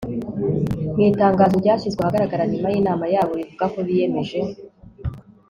mu itangazo ryashyizwe ahagaragara nyuma y'inama yabo rivuga ko biyemeje